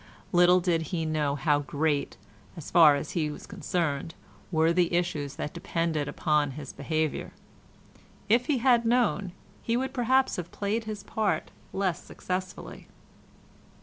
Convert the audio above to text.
Little did he know how great, as far as he was concerned, were the issues that depended upon his behaviour. If he had known, he would perhaps have played his part less successfully.